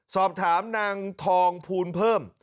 สอบถามนางทองภูลเพิ่ม